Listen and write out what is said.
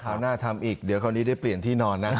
หน้าทำอีกเดี๋ยวคราวนี้ได้เปลี่ยนที่นอนนะ